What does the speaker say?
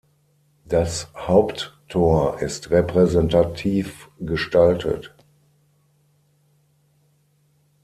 Das Haupttor ist repräsentativ gestaltet.